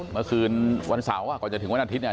เมื่อคืนวันเสาร์ก่อนจะถึงวันอาทิตย์เนี่ย